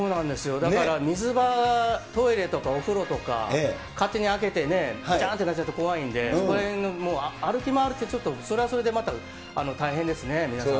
だから水場、トイレとかお風呂とか、勝手に開けてね、ぴちゃんってなっちゃうと怖いんで、そこら辺、もう歩き回るって、それはそれでまた大変ですね、皆さん。